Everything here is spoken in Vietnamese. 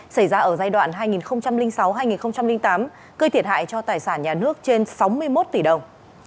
xảy ra ở giai đoạn hai nghìn sáu hai nghìn tám gây thiệt hại cho tài sản nhà nước trên sáu mươi một tỷ đồng